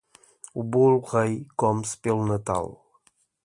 O Bolo Rei come-se pelo Natal.